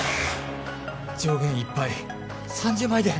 上限いっぱい３０枚で。